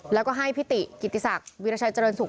แล้วก็ให้พิติกิจสักวิรชัยเจริญสุข